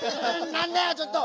なんだよちょっと！